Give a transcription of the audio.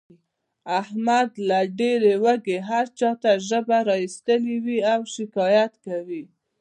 احمد له ډېر لوږې هر چاته ژبه را ایستلې وي او شکایت کوي.